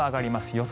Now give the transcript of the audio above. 予想